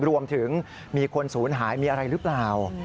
รวมถึงมีคนศูนย์หายมีอะไรหรือเปล่า